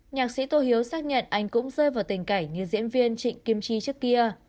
nhạc sĩ tô hiếu xác nhận anh cũng rơi vào tình cảnh như diễn viên trịnh kim chi trước kia